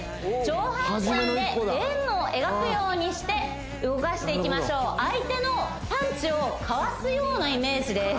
上半身で円を描くようにして動かしていきましょう相手のパンチをかわすようなイメージです